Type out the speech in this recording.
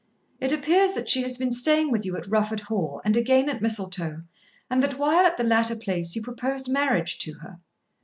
It appears that she has been staying with you at Rufford Hall, and again at Mistletoe, and that while at the latter place you proposed marriage to her.